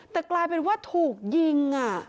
แต่กลายเป็นว่าถูกยิง